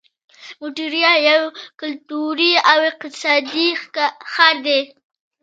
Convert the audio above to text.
مونټریال یو کلتوري او اقتصادي ښار دی.